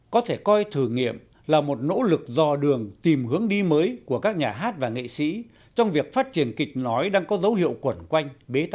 có thể coi thử nghiệm là một nỗ lực dò đường tìm hướng đi mới của các nhà hát và nghệ sĩ trong việc phát triển kịch nói đang có dấu hiệu quẩn quanh